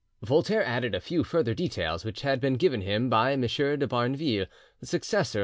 Voltaire added a few further details which had been given him by M. de Bernaville, the successor of M.